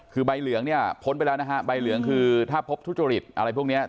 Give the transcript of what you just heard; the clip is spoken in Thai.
คือใบเหลืองเนี่ยพ้นไปแล้วนะฮะใบเหลืองคือถ้าพบทุจริตอะไรพวกนี้